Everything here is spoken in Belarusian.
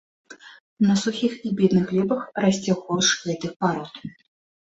На сухіх і бедных глебах расце горш гэтых парод.